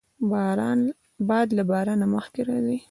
باد له باران مخکې راځي